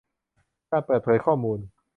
การเปิดเผยข้อมูล